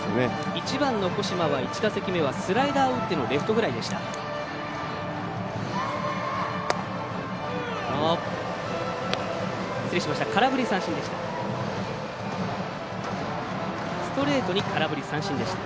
１番の後間は１打席目はスライダーを打ってのレフトフライでした。